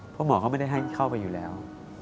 เพราะหมอก็ไม่ได้ให้เข้าไปอยู่แล้ว